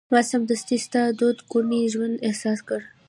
ما سمدستي ستا دوه ګونی ژوند احساس کړ.